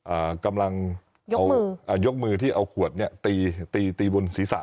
อ่ากำลังเอาอ่ายกมือที่เอาขวดเนี้ยตีตีตีบนศีรษะ